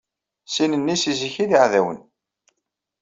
Sin-nni seg zik ay d iɛdawen.